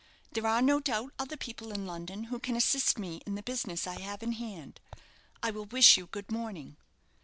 There are, no doubt, other people in London who can assist me in the business I have in hand. I will wish you good morning."